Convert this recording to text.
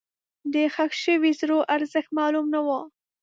دښخ شوي زرو ارزښت معلوم نه و.